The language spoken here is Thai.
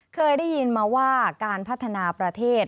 เคยได้ยินมาว่าการพัฒนาประเทศ